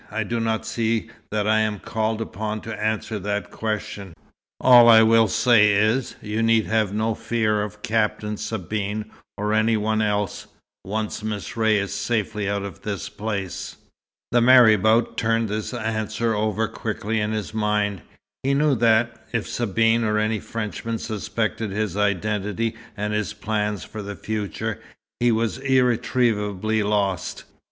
"I do not see that I'm called upon to answer that question. All I will say is, you need have no fear of Captain Sabine or of any one else, once Miss Ray is safely out of this place." The marabout turned this answer over quickly in his mind. He knew that, if Sabine or any Frenchman suspected his identity and his plans for the future, he was irretrievably lost.